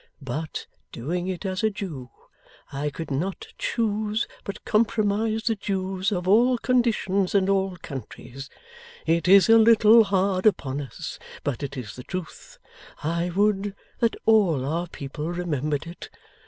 But doing it as a Jew, I could not choose but compromise the Jews of all conditions and all countries. It is a little hard upon us, but it is the truth. I would that all our people remembered it!